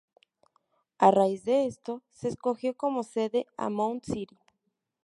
A raíz de esto, se escogió como sede a Mound City.